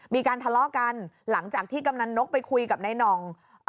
มีการทะเลาะกันหลังจากที่กำนันนกไปคุยกับนายหน่อง